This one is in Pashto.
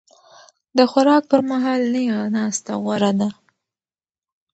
د خوراک پر مهال نېغه ناسته غوره ده.